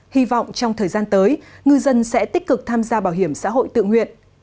hy vọng trong thời gian tới ngư dân sẽ tích cực tham gia bảo hiểm xã hội tự nguyện